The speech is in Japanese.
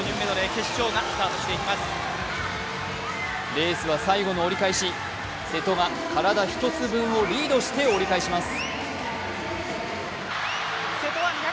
レースは最後の折り返し、瀬戸が体１つ分をリードして折り返します。